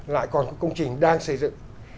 lại còn công trình đang xây dựng